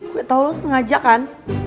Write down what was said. gue tau lo sengaja kan